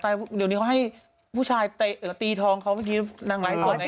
เดี๋ยวนี้เขาให้ผู้ชายตีทองเขาเมื่อกี้นางไลฟ์สดนะ